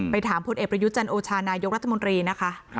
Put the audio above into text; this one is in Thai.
ไปถามพุทธเอกประยุจรรย์โอชานายกรัฐมนตรีนะคะ